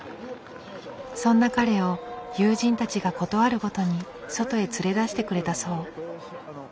そんな彼を友人たちが事あるごとに外へ連れ出してくれたそう。